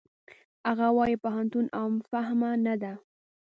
هغه وايي پوهنتون عام فهمه نه ده.